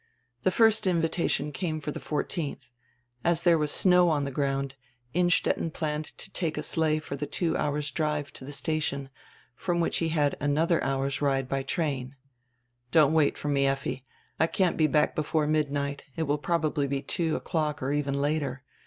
The first invitation came for die 1 4th. As there was snow on die ground Innstetten planned to take a sleigh for die two hours' drive to die station, from which he had another hour's ride by train. "Don't wait for me, Effi, I can't be back before midnight; it will probably be two o'clock or even later.